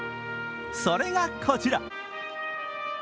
それがこちら。